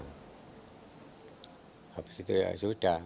habis itu ya sudah